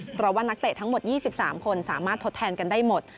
เพราะว่านักเตะทั้งหมด๒๓คนสามารถทดแทนกันได้หมด